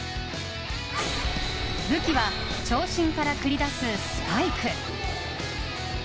武器は長身から繰り出すスパイク。